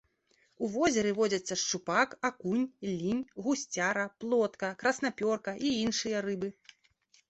У возеры водзяцца шчупак, акунь, лінь, гусцяра, плотка, краснапёрка і іншыя рыбы.